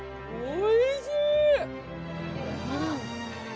おいしい！